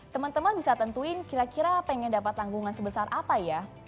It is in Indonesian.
teman teman bisa tentuin kira kira pengen dapat tanggungan sebesar apa ya